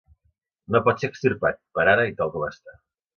No pot ser extirpat, per ara i tal com està.